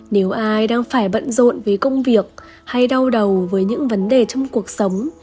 nếu ai đang phải bận rộn với công việc hay đau đầu với những vấn đề trong cuộc sống